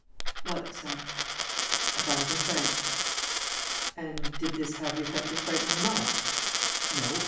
"What sum?" "A thousand francs." "And did this have the effect of frightening them off?" "No.